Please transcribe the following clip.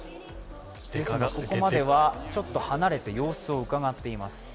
ここまではちょっと離れて様子をうかがっています。